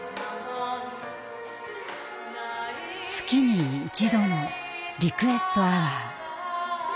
月に一度のリクエストアワー。